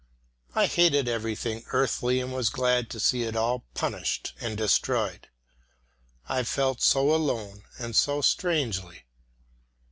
I hated everything earthly and was glad to see it all punished and destroyed. I felt so alone and so strangely.